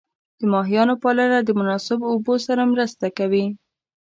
د ماهیانو پالنه د مناسب اوبو سره مرسته کوي.